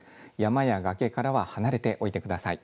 山や崖からは離れておいてください。